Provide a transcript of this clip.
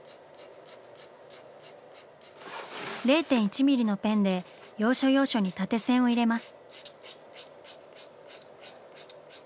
０．１ミリのペンで要所要所に縦線を入れます。